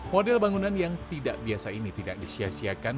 model bangunan yang tidak biasa ini tidak disiasiakan